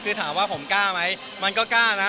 คือถามว่าผมกล้าไหมมันก็กล้านะ